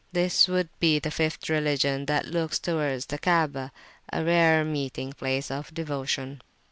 This would be the fifth religion that looked towards the Kaabaha rare meeting place of devotion.